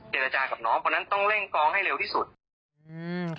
เด็ดอาจารย์กับน้องเพราะฉะนั้นต้องเร่งฟ้องให้เร็วที่สุด